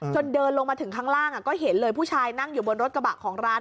เดินลงมาถึงข้างล่างก็เห็นเลยผู้ชายนั่งอยู่บนรถกระบะของร้าน